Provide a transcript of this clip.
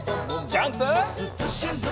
ジャンプ！